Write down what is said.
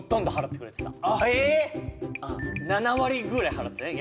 ７割ぐらい払ってたね